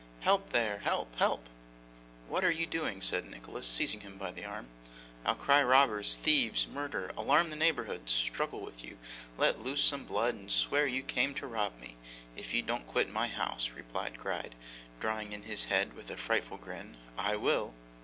'Help here! Help! Help!' 'What are you doing?' said Nicholas, seizing him by the arm. 'I'll cry robbers, thieves, murder, alarm the neighbourhood, struggle with you, let loose some blood, and swear you came to rob me, if you don't quit my house,' replied Gride, drawing in his head with a frightful grin, 'I will!